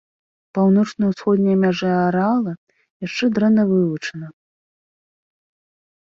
Паўночна-ўсходняя мяжа арэала яшчэ дрэнна вывучана.